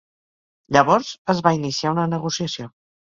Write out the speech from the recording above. Llavors es va iniciar una negociació.